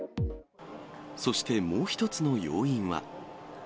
そしてもう一つの要因は。